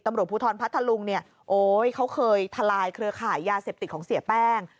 ตำรวจภูทรพัทธลุงเนี่ยโอ๊ยเขาเคยทลายเครือข่ายยาเสพติดของเสียแป้ง